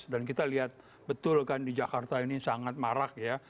dan kita lihat betul kan di jakarta ini sangat marak ya